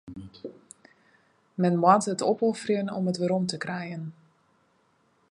Men moat eat opofferje om eat werom te krijen.